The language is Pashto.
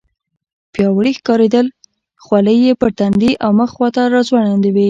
پیاوړي ښکارېدل، خولۍ یې پر تندي او مخ خواته راځوړندې وې.